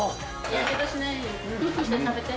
やけどしないようにして食べて。